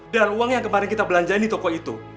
dan uang yang kemarin kita belanjain di toko itu